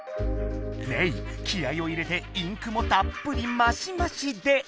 レイ気合いを入れてインクもたっぷりマシマシで！